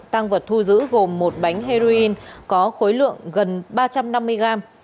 tăng vật thu giữ gồm một bánh heroin có khối lượng gần ba trăm năm mươi gram